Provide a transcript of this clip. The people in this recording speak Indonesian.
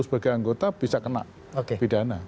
sebagai anggota bisa kena pidana